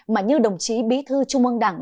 mà như đồng chí bí thư trung ân đảng